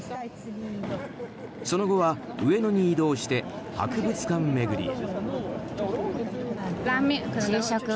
その後は上野に移動して博物館巡りへ。